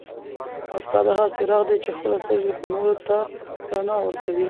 استاد هغه څراغ دی چي خپله سوځي خو نورو ته رڼا ورکوي.